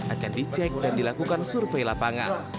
akan dicek dan dilakukan survei lapangan